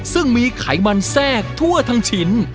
ซึ่งมีไขมันแทรกทั่วทั้งชิ้น